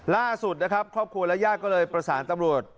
ล่าสุดนะครับครอบครัวและญาติก็เลยประสานตำรวจ